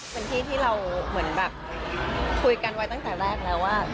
เป็นที่ที่เราเหมือนแบบคุยกันไว้ตั้งแต่แรกแล้วว่า